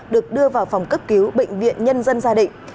được đưa vào phòng cấp cứu bệnh viện nhân dân gia định